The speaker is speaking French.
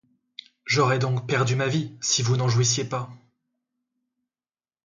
J'aurais donc perdu ma vie si vous n'en jouissiez pas!